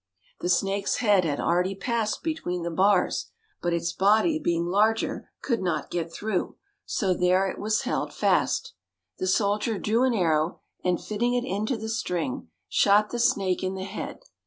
The snake's head had already passed between the bars, but its body, being larger, could not get through, so there it was held fast. The soldier drew an arrow, and, fitting it into the string, shot the snake in the head.